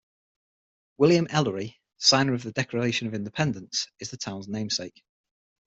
William Ellery, signer of the Declaration of Independence, is the town's namesake.